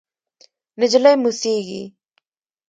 نجلۍ موسېږي…